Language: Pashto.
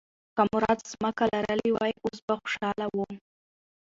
که مراد ځمکه لرلی وای، اوس به خوشاله و.